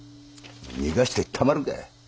逃がしてたまるか。